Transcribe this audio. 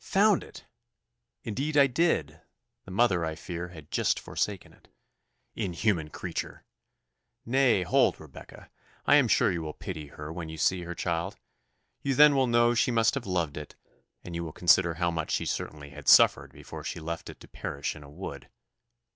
"Found it!" "Indeed I did. The mother, I fear, had just forsaken it." "Inhuman creature!" "Nay, hold, Rebecca! I am sure you will pity her when you see her child you then will know she must have loved it and you will consider how much she certainly had suffered before she left it to perish in a wood."